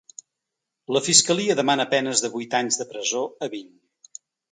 La fiscalia demana penes de vuit anys de presó a vint.